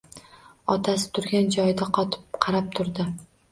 Otasi turgan joyida qotib qarab turdi